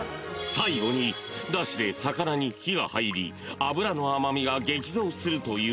［最後にだしで魚に火が入り脂の甘味が激増するという］